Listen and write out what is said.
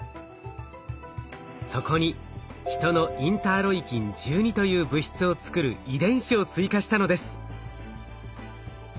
そこにヒトのインターロイキン１２という物質を作る遺伝子を追加したのです。